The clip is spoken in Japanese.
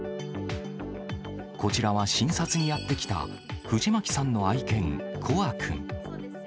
こちらは診察にやって来た藤巻さんの愛犬、コア君。